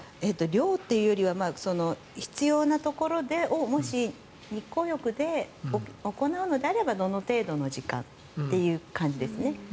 量というよりは必要なところをもし、日光浴で行うのであればどの程度の時間という感じですね。